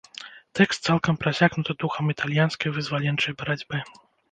Тэкст цалкам прасякнуты духам італьянскай вызваленчай барацьбы.